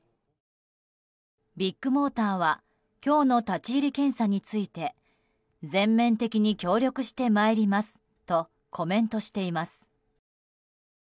ビッグモーターは今日の立ち入り検査について全面的に協力してまいりますとコメントしています。